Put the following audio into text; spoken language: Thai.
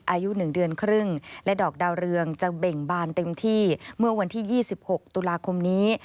อายุ๑เดือนครึ่งและดอกดาวเรืองจะเบ่งบานเต็มที่เมื่อวันที่๒๖ตุลาคมนี้